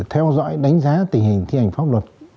theo dõi đánh giá tình hình thi hành pháp luật